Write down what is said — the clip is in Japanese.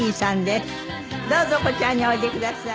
どうぞこちらにおいでください。